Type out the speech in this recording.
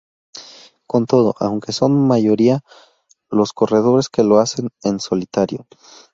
Con todo, aunque son mayoría los corredores que lo hacen en solitario.